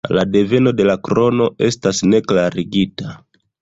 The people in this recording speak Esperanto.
La deveno de la krono estas ne klarigita.